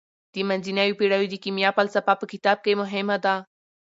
د منځنیو پیړیو د کیمیا فلسفه په کتاب کې مهمه ده.